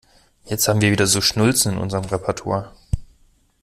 Jetzt haben wir wieder so Schnulzen in unserem Repertoir.